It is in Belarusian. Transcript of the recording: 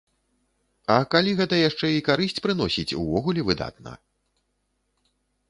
А калі гэта яшчэ і карысць прыносіць, увогуле выдатна.